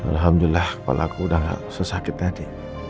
alhamdulillah kepala aku udah gak sesakit nanti